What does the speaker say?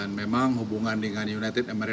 dan memang hubungan dengan united emirates arab